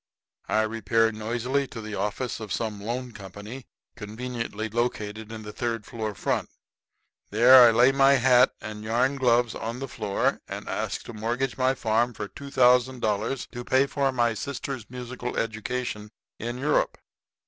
I repair noisily to the office of some loan company conveniently located in the third floor, front. There I lay my hat and yarn gloves on the floor and ask to mortgage my farm for $2,000 to pay for my sister's musical education in Europe.